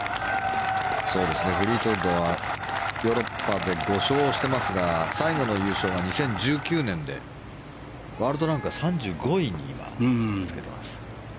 フリートウッドはヨーロッパで５勝してますが最後の優勝が２０１９年でワールドランクは３５位に今、つけてます。